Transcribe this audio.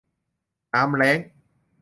น้ำแล้ง